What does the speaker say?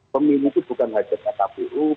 pemilu itu bukan hajatnya kpu